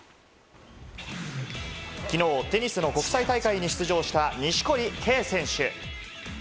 きのうテニスの国際大会に出場した錦織圭選手。